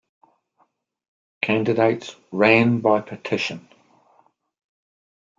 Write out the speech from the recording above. Candidates ran by petition.